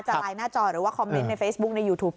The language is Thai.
ไลน์หน้าจอหรือว่าคอมเมนต์ในเฟซบุ๊คในยูทูป